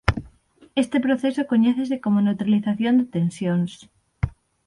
Este proceso coñécese como neutralización de tensións.